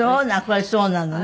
これそうなのね。